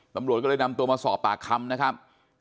ตำรวจก็เลยนำตัวมาสอบปากคำนะครับ